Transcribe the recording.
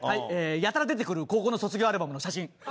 やたら出てくる高校の卒業アルバムの写真。